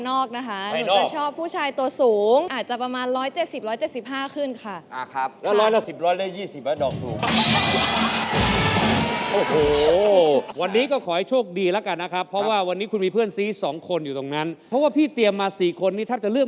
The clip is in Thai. โดยสาวโสดของเราจะได้พบกับหนุ่มโสดทั้ง๔คนเป็นครั้งแรก